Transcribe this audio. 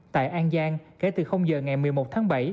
tại an giang kể từ giờ ngày một mươi một tháng bảy